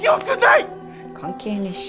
関係ねえし。